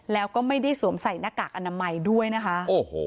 แล้วก็ไม่ได้สวมใส่หน้ากากอนามัยด้วยนะคะโอ้โห